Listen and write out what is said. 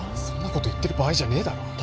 そんなこと言ってる場合じゃねえだろ。